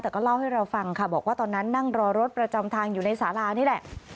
แต่ก็เล่าให้เราฟังค่ะบอกว่าตอนนั้นนั่งรอรถประจำทางอยู่ในสาลานี่แหละ